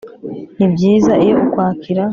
nibyiza, iyo ukwakira